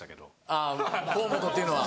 あぁ河本っていうのは。